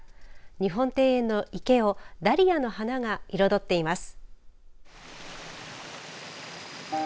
日本庭園の池をダリアの花が彩っています。